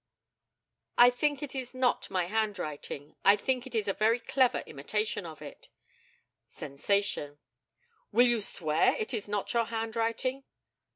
I think it is not in my handwriting. I think it is a very clever imitation of it [sensation]. Will you swear it is not your handwriting?